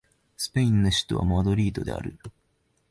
スペインの首都はマドリードである